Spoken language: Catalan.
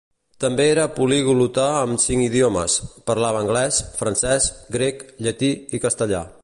També era poliglota amb cinc idiomes: parlava anglès, francès, grec, llatí i castellà.